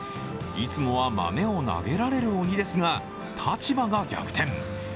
いつもは豆を投げられる鬼ですが立場が逆転。